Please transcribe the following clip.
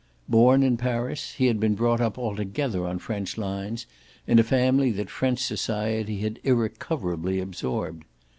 Born in Paris, he had been brought up altogether on French lines, in a family that French society had irrecoverably absorbed.